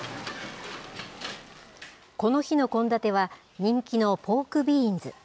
この日の献立は、人気のポークビーンズ。